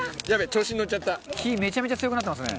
中丸：火、めちゃめちゃ強くなってますね。